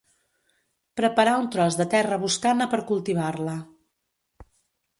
Preparar un tros de terra boscana per cultivar-la.